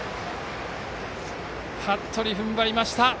服部が踏ん張りました。